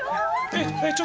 えっ？